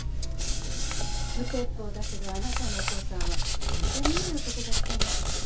無鉄砲だけどあなたのお父さんはホントにいい男だったの。